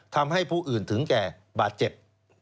ทำให้ผู้อื่นถึงแก่บาดเจ็บ